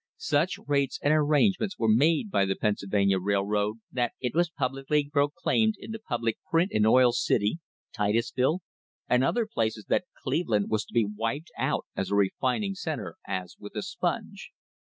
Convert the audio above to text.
Such rates and arrangements were made by the Pennsylvania Railroad that it was publicly pro claimed in the public print in Oil City, Titusville and other places that Cleveland was to be wiped out as a refining centre as with a sponge."